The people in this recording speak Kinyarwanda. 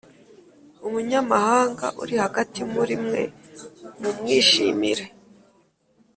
umunyamahanga uri hagati muri mwe mu mwishimire